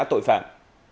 chuy nã tội phạm